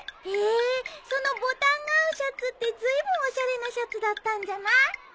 へえそのボタンが合うシャツってずいぶんおしゃれなシャツだったんじゃない？